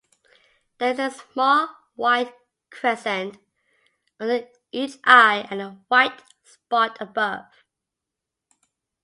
There is a small white crescent under each eye and a white spot above.